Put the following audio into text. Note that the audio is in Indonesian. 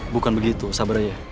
bukan begitu sabar aja